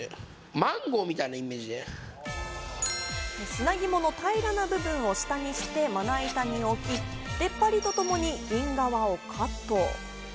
砂肝の平らな部分を下にして、まな板に置き、出っ張りとともに銀皮をカット。